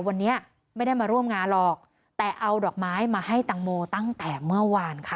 วันนี้ไม่ได้มาร่วมงานหรอกแต่เอาดอกไม้มาให้ตังโมตั้งแต่เมื่อวานค่ะ